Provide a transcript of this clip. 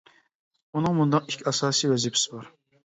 ئۇنىڭ مۇنداق ئىككى ئاساسىي ۋەزىپىسى بار.